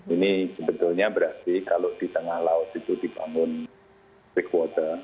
ini sebetulnya berarti kalau di tengah laut itu dibangun bike water